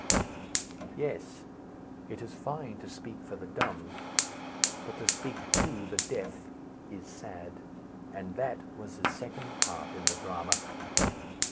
Yes; it is fine to speak for the dumb, but to speak to the deaf is sad. And that was his second part in the drama.